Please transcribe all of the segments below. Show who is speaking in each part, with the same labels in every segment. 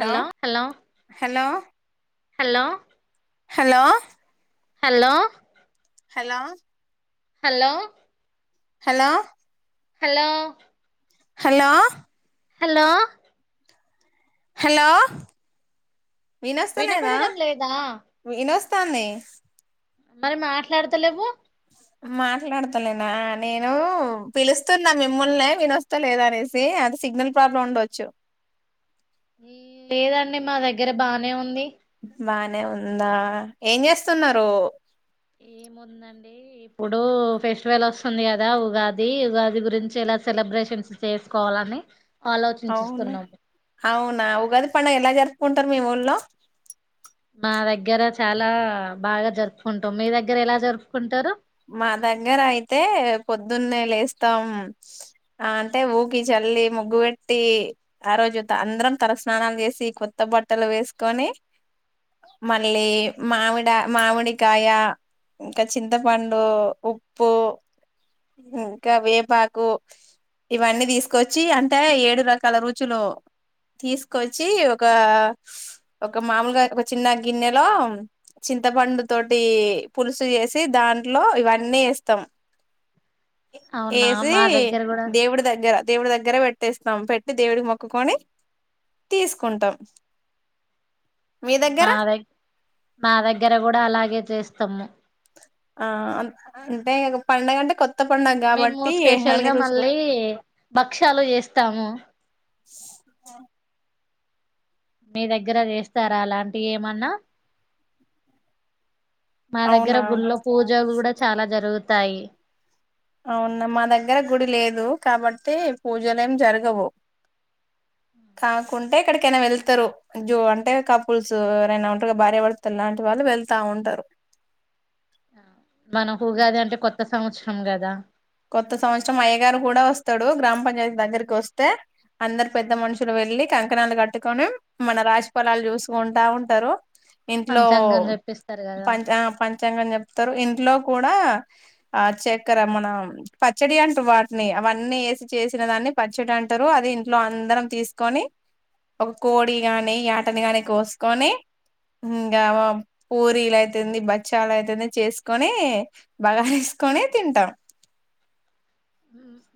Speaker 1: Hello hello
Speaker 2: hello
Speaker 1: hello
Speaker 2: hello
Speaker 1: hello
Speaker 2: hello
Speaker 1: hello
Speaker 2: hello
Speaker 1: hello
Speaker 2: hello
Speaker 1: hello
Speaker 2: hello వినస్తలేదా
Speaker 1: వినపడడం లేదా
Speaker 2: వినస్త స్తంది
Speaker 1: మరి మాట్లాడతలేవు
Speaker 2: మాట్లాడతాలేనా నేను పిలుస్తున్నా మిమ్మల్నే వినొస్తా లేద అనేసి అది సిగ్నల్ ప్రాబ్లం ఉండొచ్చు
Speaker 1: లేదండి మా దగ్గర బానే ఉంది
Speaker 2: బానే ఉందా ఏం చేస్తున్నారు
Speaker 1: ఏముందండి ఇప్పుడు ఫెస్టివల్ వస్తుంది కదా ఉగాది ఉగాది గురించి ఎలా సెలబ్రేషన్స్ చేసుకోవాలని ఆలోచించిస్తున్నాము
Speaker 2: అవునా ఉగాది పండగ ఎలా జరుపుకుంటారు మీ ఊళ్లో
Speaker 1: మా దగ్గర చాలా బాగా జరుపుకుంటాం మీ దగ్గర ఎలా జరుపుకుంటారు
Speaker 2: మా దగ్గర అయితే పొద్దున్నే లేస్తాం అంటే ఊకిచ చల్లి ముగ్గు పెట్టి ఆ రోజు అందరం తలస్నానాలు చేసి కొత్త బట్టలు వేసుకొని మళ్ళీ మామిడ మామిడికాయ ఇంకా చింత పండు ఉప్పు ఇంకా వేపాకు ఇవన్నీ తీసుకొచ్చి అంటే ఏడు రకాల రుచులు తీసుకొచ్చి ఒక ఒక మామూలుగా ఒక చిన్న గిన్నెలో చింతపండు తోటి పులుసు చేసి దాంట్లో ఇవన్నీ వేస్తాం
Speaker 1: అవునా
Speaker 2: వేసి
Speaker 1: మా దగ్గర కూడా
Speaker 2: దేవుడి దగ్గర దేవుడి దగ్గర పెట్టేస్తాం పెట్టి దేవుడి మొక్కుకొని తీసుకుంటాం మీ దగ్గర
Speaker 1: మా దె మా దగ్గర కూడా అలాగే చేస్తాము
Speaker 2: ఆ అంటే పండగ అంటే కొత్త పండగ
Speaker 1: మేము
Speaker 2: కాబట్టి అన్ని
Speaker 1: స్పెషల్గా
Speaker 2: రుచులు
Speaker 1: మళ్ళీ భక్షలు చేస్తాము
Speaker 2: ఆ
Speaker 1: మీ దగ్గర చేస్తారా అలాంటివి ఏమన్నా మా దగ్గర
Speaker 2: అవునా
Speaker 1: గుళ్ళో పూజలు కూడా చాలా జరుగుతాయి
Speaker 2: అవునా మా దగ్గర గుడి లేదు కాబట్టి పూజలు ఏం జరగవు కాకుంటే ఎక్కడికైనా వెళ్తారు జో అంటే కపుల్స్ ఎవరైనా ఉంటారు భార్య భర్తలాంటి వాళ్ళు వెళ్తా ఉంటారు
Speaker 1: మనకు ఉగాది అంటే కొత్త సంవత్సరం కదా
Speaker 2: కొత్త సంవత్సరం అయ్యగారు కూడా వస్తాడు గ్రామ పం దగ్గరికి వస్తే అందరు పెద్ద మనుషులు వెళ్ళి క కంకణాలు కట్టుకొని మన రాశి ఫలాలు చూసుకుంటా ఉంటారు ఇంట్లో
Speaker 1: పంచాంగం చెప్పిస్తారు కదా
Speaker 2: పంచ ఆ పంచ పంచాంగం చెప్తారు ఇంట్లో కూడా ఆ చక్కర మనం పచ్చడి అంటారు వాటిని అవన్నీ వేసి చేసిన దాన్ని పచ్చడి అంటారు అది ఇంట్లో అందరం తీసుకొని ఒక కోడి గాని యాటని గాని కోసుకొని ఇంకా పూరీలు అయితుంది బచ్చాలు అయితుంది చేసుకొని బగా కునీ తింటా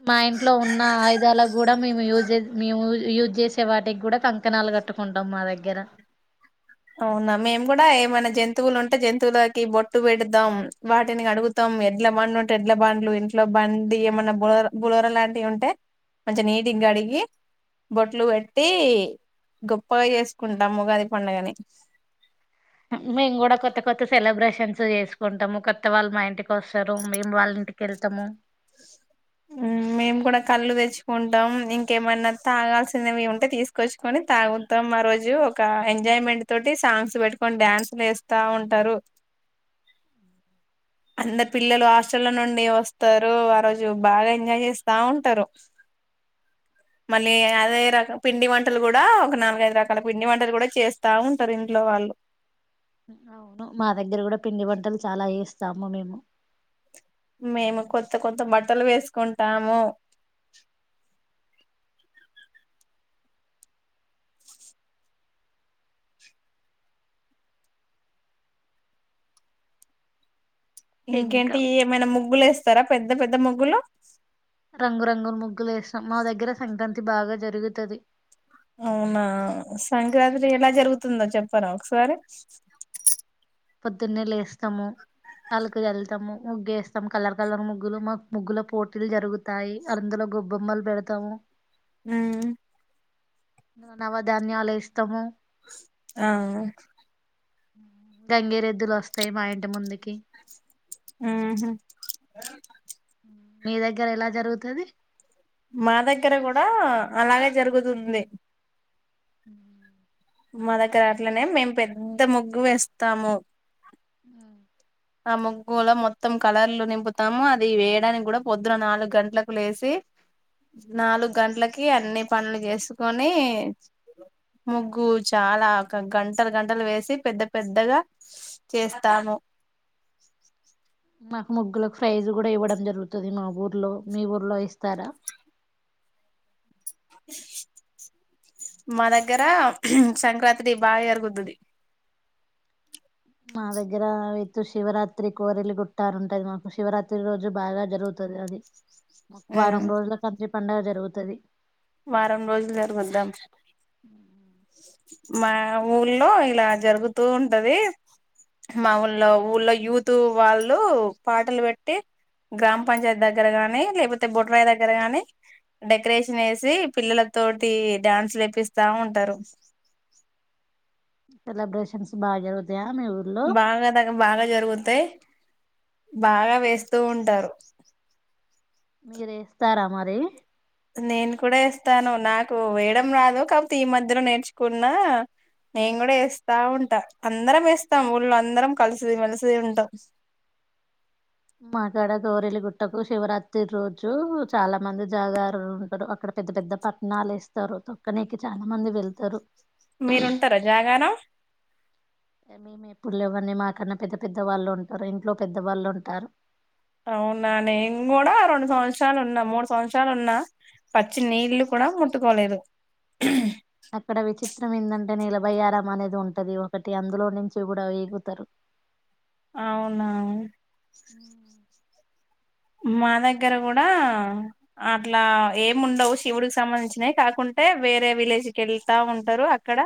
Speaker 1: మా ఇంట్లో ఉన్న ఆయుధాలకు కూడా మేము యూజ్ మేము యూజ్ చేసే వాటికి కూడా కంకణాలు కట్టుకుంటాం మా దగ్గర
Speaker 2: అవునా మేము కూడా ఏమైనా జంతువులు ఉంటే జంతువులకి బొట్టు పెడతాం వాటిని కడుగుతాం ఎడ్ల బండ్ ఉంటే ఎడ్ల బండ్లు ఇంట్లో బండి ఏమన్నా బుల బులోర లాంటివి ఉంటే మంచిగా నీటి గా కడిగి బొట్లు పెట్టి గొప్పగా చేసుకుంటాము ఉగాది పండుగని
Speaker 1: మేము కూడా కొత్త కొత్త సెలబ్రేషన్ చేసుకుంటాము కొత్త వాళ్ళు మా ఇంటికి వస్తారు మేము వాళ్ళ ఇంటికి వెళ్తాము
Speaker 2: ఉమ్ మేము కూడా కళ్ళు తెచ్చుకుంటాం ఇంకేమన్నా తాగాల్సినవి ఉంటే తీసుకొచ్చుకొని తాగుతాం ఆరోజు ఒక ఎంజాయ్మెంట్ తోటి సాంగ్స్ పెట్టుకొని డ్యాన్స్లు వేస్తా ఉంటారు [inaudible] అందరు పిల్లలు హాస్టల్ నుండి వస్తారు ఆ రోజు బాగా ఎంజాయ్ చేస్తా ఉంటారు [inaudible] మళ్ళీ అదే రక పిండి వంటలు కూడా ఒక నాలుగైదు రకాల పిండి వంటలు కూడా చేస్తా ఉంటారు ఇంట్లో వాళ్ళు అ
Speaker 1: అవును మా దగ్గర కూడా పిండి వంటలు చాలా చేస్తాము మేము
Speaker 2: మేము కొత్త కొత్త బట్టలు వేసుకుంటాము
Speaker 1: ఇంకా
Speaker 2: ఇంకేంటి ఏమైనా ముగ్గులు వేస్తారా పెద్ద పెద్ద ముగ్గులు
Speaker 1: రంగు రంగులు ముగ్గులు వేస్తాం మా దగ్గర సంక్రాంతి బాగా జరుగుతది
Speaker 2: అవునా సంక్రాంతి ఎలా జరుగుతుందో చెప్ చెప్పరా ఒకసారి
Speaker 1: పొద్దున్నే లేస్తాము అల్లుకు చల్లుతాము ముగ్గు వేస్తాం కలర్ కలర్ ముగ్గులు మా ముగ్గుల పోటీలు జరుగుతాయి అందులో గొబ్బెమ్మలు పెడతాము
Speaker 2: ఉమ్
Speaker 1: నవ ధాన్యాలు ఏస్తాము
Speaker 2: ఆ
Speaker 1: గంగిరెద్దులొస్తాయి మా ఇంటి ముందుకి
Speaker 2: ఉ హు
Speaker 1: మీ దగ్గర ఎలా జరుగుతది
Speaker 2: మా దగ్గర కూడా అలాగే జరుగుతుంది
Speaker 1: [inaudible]
Speaker 2: మదకరాట్లనే మేము పెద్ద ముగ్గు వేస్తాము
Speaker 1: హ
Speaker 2: ఆ ముగ్గులో మొత్తం కలర్లు నింపుతాము అది వేయడానికి కూడా పొద్దున నాలుగు గంటలకు లేసి నాలుగు గంటలకి అన్ని పనులు చేసుకొని ముగ్గు చాలా ఒక గంటలు గంటలు వేసి పెద్ద పెద్దగా చేస్తాము [inaudible]
Speaker 1: మాకు ముగ్గులలకు ఫ్రైజ్ కూడా ఇవ్వడం జరుగుతుంది మా ఊర్లో మీ ఊర్లో ఇస్తారా
Speaker 2: [inaudible] మా దగ్గర సంక్రాంతి బాగా జరుగుతది
Speaker 1: మా దగ్గర అయితే శివరాత్రి కోరేల గుట్ట ఉంటది మాకు శివరాత్రి రోజు బాగా జరుగుతుంది మాకు వారం రోజుల కంతి పండగ జరుగుతుది
Speaker 2: వారం రోజులు జరుగుద్దాం మా ఊళ్లో ఇలా జరుగుతూ ఉంటది మా ఊళ్ళ ఊళ్ళ యూత్ వాళ్ళు పాటలు పెట్టి గ్రామ పంచాయత దగ్గర గాని లేకపోతే బొట్రాయ దగ్గరా గాని డెకరేషన్ వ తి పిల్లల తోటి డ్యాన్సులేపిస్తా ఉంటారు
Speaker 1: సెలిబ్రేషన్స్ బాగా‌
Speaker 2: బాగాధ బాగా జరుగు తాయ్ బాగా వేస్తూ ఉంటారు
Speaker 1: మీరేస్తారా మరి
Speaker 2: నేను కూడా ఎస్తాను నాకు వేయడం రాదు కాపోతే ఈ మధ్యలో నేర్చుకున్న నేను కూడా వేస్తా ఉంటా అందరం వేస్తాం ఊళ్ళో అందరం కలిసి మెలిసి ఉంటాం [inaudible]
Speaker 1: మాక్కడ గౌరెలిగుట్టకు శివరాత్రి రోజు చాలా మంది జాగారులు ఉంటారు అక్కడ పెద్ద పెద్ద పట్ణాలు ఎస్తారు తొక్కనికి చాలా మంది వెళ్తారు
Speaker 2: మీరుంటారా జాగారం
Speaker 1: మేము ఎప్పులువన్నీ మాకన్నా పెద్ద పెద్ద వాళ్ళు ఉంటారు ఇంట్లో పెద్ద వాళ్ళు ఉంటారు
Speaker 2: అవునా నేను కూడా రెండు సంవత్సరాలు ఉన్నా మూడు సంవత్సరాలు ఉన్నా పచ్చి నీళ్లు కూ డ ముట్టుకో లేదు
Speaker 1: అక్కడ విచిత్రం ఏందంటే నేలబయ్యారం అనేది ఉంటది ఒకటి అందులో నుంచి కూడా ఈగుతారు
Speaker 2: అవునా
Speaker 1: ఈగుతారు
Speaker 2: మా దగ్గర కూడా అట్లా ఏముండవు శివుడికి సంబంధించినవి కాకుం టే వేరే విలేజ్ కి వెళ్తా ఉంటారు అక్కడ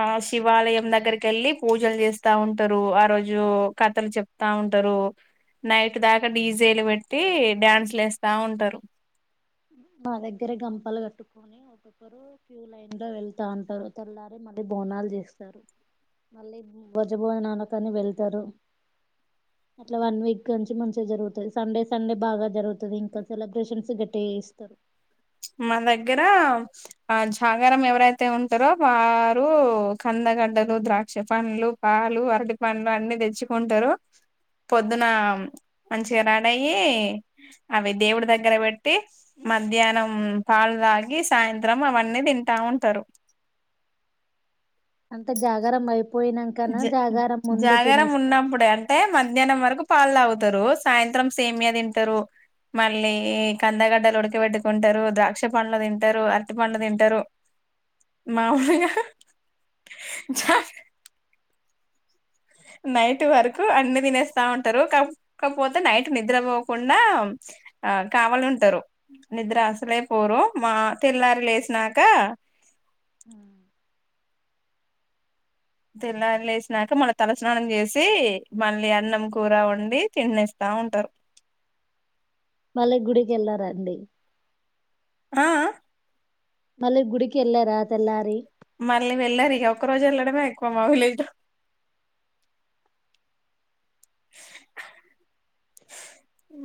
Speaker 2: ఆ శివాలయం దగ్గరికేళ్ళి పూజలు చేస్తా ఉంటారు ఆరోజు కథలు చెప్తా ఉంటారు నైట్ దా క డీజేలు పెట్టి డ్యాన్స్లు ఏస్తా ఉంటారు
Speaker 1: మా దగ్గర గంపాలు కట్టుకొని ఒక్కొక్కరు క్యూ లైన్ లో వెళ్తా అంటారు తెల్లారి మళ్ళీ బోనాలు చేస్తారు మళ్ళీ భొజ భోజనాలకాని వెళ్తారు అట్లా వన్ వీక్ నుంచి మంచిగా జరుగుతాది సండే సండే బాగా జరుగుతది ఇంకా సెలబ్రేషన్స్ గట్టిగా చేస్ తారు
Speaker 2: మా దగ్గర ఆ జాగారం ఎవరైతే ఉంటారో వారు కం ద గడ్డలు ద్రాక్ష పండ్లు పాలు అరటి పండ్లు అన్ని తెచ్చుకుంటారు పొద్దున మంచిగా రడయ్యి అవి దేవుడి దగ్గర పెట్టి మధ్యాహ్నం మ్మ్ పాలు తాగి సాయంత్రం అవన్నీ తింటా ఉంటారు
Speaker 1: అంతే జాగరం అయి
Speaker 2: జ జాగరం
Speaker 1: తినేస్తారా
Speaker 2: ఉన్నప్పుడే అంటే మధ్యాహ్నం వరకు పాలు తాగుతారు సాయంత్రం సేమియా తింటారు మళ్ళీ కందగడ్డలు ఉడకబెట్టుకుంటారు ద్రాక్ష పండ్లు తింటారు అరటి పండ్లు తింటారు మామూలుగా జ నైటు వరకు అన్ని తినేస్తా ఉంటారు కాప్ కాకపోతే నైట్ నిద్రపోకుండా ఆ కావాలుంటారు నిద్ర అసలే పోరు మా తెల్లారి లేసినాక
Speaker 1: హ్మ్
Speaker 2: తెల్లారి లేసినాక మళ్ళీ తలస్నానం చేసి మళ్ళీ అన్నం కూర వండి తినేస్తా ఉంటారు
Speaker 1: మళ్ళీ గుడికేళ్ళార అండి
Speaker 2: ఆ ఆ
Speaker 1: మళ్ళీ గుడికి ఎల్లారా తెల్లారి
Speaker 2: మళ్ళీ వెళ్ళరిగ ఒక్క రోజు ఎళ్ళడమే ఎక్కువ మా విలేజ్లో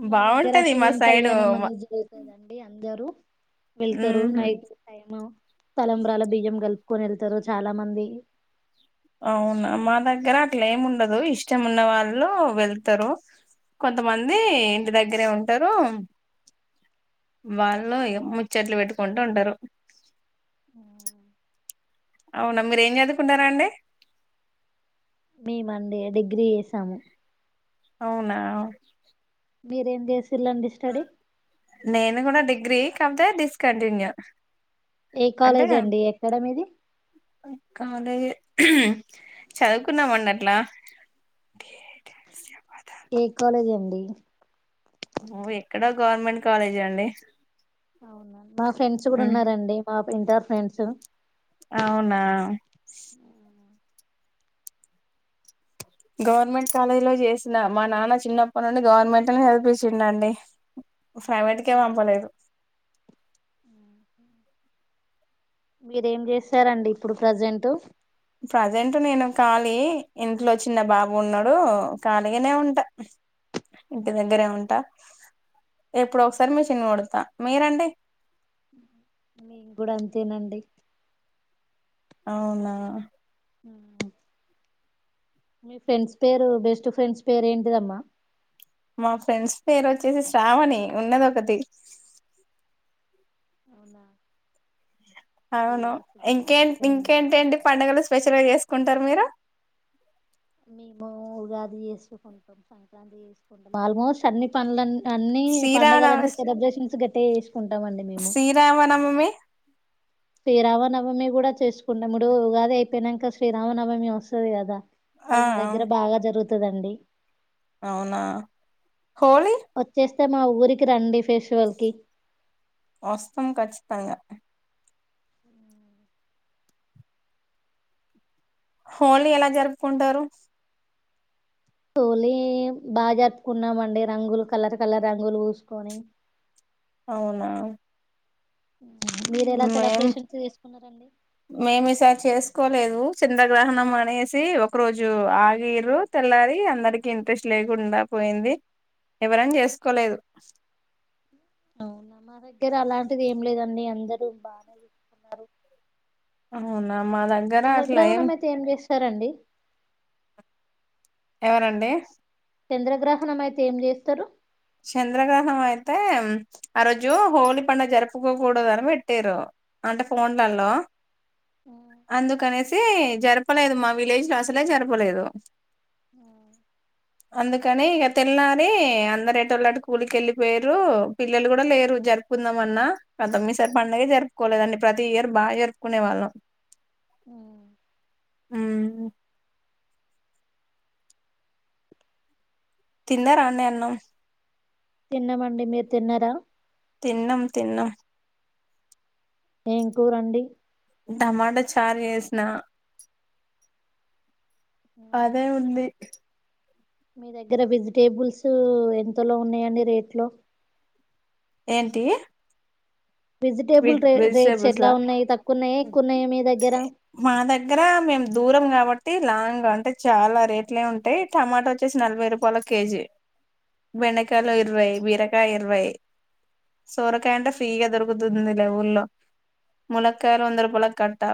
Speaker 1: మా దగ్గర
Speaker 2: బాగుంటది మా
Speaker 1: శివుని
Speaker 2: సైడు
Speaker 1: కళ్యాణం అనేది జరుగుతాదండి అందరూ వెళ్తరు
Speaker 2: ఉహు
Speaker 1: నైట్ టైమ్ తలంబ్రాల బియ్యం కలుపుకొని ఎళ్తారు చాలా మంది
Speaker 2: అవునా మా దగ్గర అట్ల ఏముండదు. ఇష్టం ఉన్న వాళ్ళు వెళ్తారు. కొంతమంది ఇంటి దగ్గరే ఉంటారు. వాళ్ళు ముచ్చట్లు పెట్టుకుంటు ఉంటారు. అవునా, మీర్ ఏం చదువుకున్నారండి?
Speaker 1: మేమండి డిగ్రీ చేసాము.
Speaker 2: అవునా
Speaker 1: మీరేం చేసిల్లండి స్టడీ?
Speaker 2: గ్రీక్ అంతె డిస్కంటిన్యూ.
Speaker 1: ఏ
Speaker 2: అంటే,
Speaker 1: కాలేజ్ అండి ఎక్కడ మీది
Speaker 2: కాలె చదువుకున్నామండి అట్ల.
Speaker 1: ఏ కాలేజ్ అండి?
Speaker 2: నువ్వు ఎక్కడ గవర్నమెంట్ కాలేజ్ అండి.
Speaker 1: అవునా! మా ఫ్రెండ్స్ కూడ
Speaker 2: ఉమ్
Speaker 1: ఉన్నారండి. పాపు ఇంటారు ఫ్రెండ్స్.
Speaker 2: అవునా! గవర్నమెంట్ కాలేజీ లో చేసిన. మా నాన్న చిన్నప్పటి నుండి గవర్నమెంట్ని చదివిపిచ్చిండండి. ప్రైవేట్ కే పంపలేదు.
Speaker 1: మీరేం చేస్తారండి ఇప్పుడు ప్రజెంట్?
Speaker 2: ప్రజెంట్ నేను ఖాళీ, ఇంట్లో చిన్న బాబు ఉన్నాడు. ఖాళీగానే ఉంటా. ఇంటి దగ్గరే ఉంటా. ఎప్పుడో ఒకసారి మిషన్ కుడతా. మీరండి,
Speaker 1: మేం కూడ అంతేనండి.
Speaker 2: అవునా!
Speaker 1: మ్ మీ ఫ్రెండ్స్ పేరు, బెస్ట్ ఫ్రెండ్స్ పేరు ఏంటిదమ్మా?
Speaker 2: మా ఫ్రెండ్స్ పేరు వచ్చేసి శ్రావణి ఉన్నదొక్కతి.
Speaker 1: అవునా! ఏం
Speaker 2: అవును.
Speaker 1: చేస్తుందమ్మా
Speaker 2: ఇంకే
Speaker 1: మీ ఫ్రెండ్
Speaker 2: ఇంకేంటేంటి పండడుగలు స్పెషల్ గా చేసుకున్ తారు మీరు?
Speaker 1: మేము ఉగాది చేసుకోకుంటాం. సంక్రాంతి చేసుకుంటాం. ఆల్మోస్ట్ అన్ని పనులన్ అన్ని
Speaker 2: శ్రీరామనవ
Speaker 1: పండుగలన్నీ, సెలబ్రేషన్స్ గట్టిగ చేసుకుంటాం అండి మేము.
Speaker 2: శ్రీరామనవమి
Speaker 1: శ్రీరామనవమి కూడా చేసుకుంటాముడు. ఉగాది అయిపోయినంక శ్రీరామనవమి వస్తది కదా!
Speaker 2: ఆ
Speaker 1: అది మా దగ్గర బాగా జరుగుతదండి.
Speaker 2: అవునా, హోళి
Speaker 1: ఐతే మా ఊరికి రండి ఫెషువల్ కి
Speaker 2: వస్తాం ఖచ్చితంగా. హోలీ ఎలా జరుపుకుంటారు?
Speaker 1: హొలి బా జరుపుకున్నామండి. రంగులు కలర్ కలర్ రంగులు పూసుకొని.
Speaker 2: అవునా
Speaker 1: మీరు ఎలా
Speaker 2: మేం,
Speaker 1: సెలబ్రేషన్స్ చేసుకున్నారండి
Speaker 2: మేమిసారి చేసుకోలేదు. చంద్రగ్రహణం అనేసి, ఒక రోజు ఆగిర్రు తెల్లారి అందరికి ఇంట్రెస్ట్ లేకుండ పోయింది. ఎవరని చేసుకోలేదు.
Speaker 1: అవునా మా దగ్గర అలాంటిది ఏం లేదండి. అందరూ బానే చూసుకున్నారు.
Speaker 2: అవునా మా దగ్గర అట్లా ఏం
Speaker 1: చంద్రగ్రహణం అయితే చేస్తారండి
Speaker 2: ఎవరండి?
Speaker 1: చంద్రగ్రహణం అయితే ఏం చేస్తారు?
Speaker 2: చంద్రగ్రహణం అయితే, ఆ రోజు హోలీ పండుగ జరుపుకోకూడదని పెట్టారు. అంటే ఫోన్లలో అందుకనేసి జరపలేదు. మా విలేజ్ లో అసలే జరపలేదు. అందుకని ఇగ తెల్లారి అందరెట్ ఇలాంటి కూలికి వెళ్ళిపోయిరు పిల్లలు కూడా లేరు జరుపుకుందాం అన్నా అంతొమ్మిసారి పండగ జరుపుకోలేదండి ప్రతి ఇయర్ బాగా జరుపుకునే వాళ్ళం
Speaker 1: ఉ
Speaker 2: ఊ తిన్నారండి అన్నం
Speaker 1: తిన్నామండి మీరు తిన్నారా
Speaker 2: తిన్నం తిన్నం
Speaker 1: ఏం కూరండి
Speaker 2: టమాట చార్ చేసిన
Speaker 1: అవునా
Speaker 2: అదే ఉంది
Speaker 1: మీ దగ్గర వెజిటేబుల్స్ ఎంతలో ఉన్నాయండి రేట్లు
Speaker 2: ఏంటి
Speaker 1: వెజిటేబుల్
Speaker 2: వెజ్
Speaker 1: రే రేట్స్ ఎట్లా
Speaker 2: వెజిటబుల్సా
Speaker 1: ఉన్నాయి తక్కువ ఉన్నాయా ఎక్కువ ఉన్నాయా మీ దగ్గర
Speaker 2: మా దగ్గర మేము దూరం కాబట్ ట్టి లాంగ్ అంటే చాలా రేట్లే ఉంటాయి టమాటా వచ్చేసి నలభై రూపాయల కేజీ బెండకాయాలు
Speaker 1: అవునా
Speaker 2: ఇరవై బీరకాయ ఇరవై సోరకాయంట ఫ్రీగా దొరుకు కుతుందిలే ఊళ్లో ములక్కయాల వందరూపాల కట్టా